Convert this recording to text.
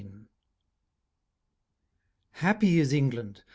Happy is England!